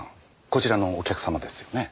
こちらのお客様ですよね？